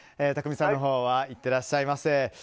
巧さんのほうは行ってらっしゃいませ。